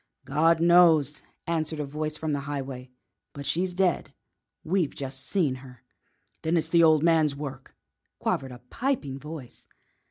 "God knows," answered a voice from the highway. "But she's dead we've just seen her!" "Then it's the old man's work," quavered a piping voice.